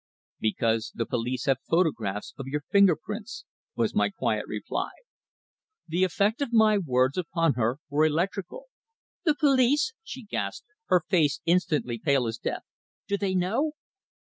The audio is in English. "Because the police have photographs of your finger prints," was my quiet reply. The effect of my words upon her was electrical. "The police!" she gasped, her face instantly pale as death. "Do they know?"